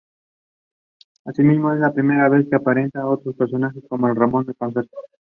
Tuvo descendencia con su segunda esposa.